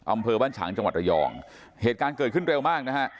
อำเภอบ้านฉางจังหวัดระยองเหตุการณ์เกิดขึ้นเร็วมากนะฮะ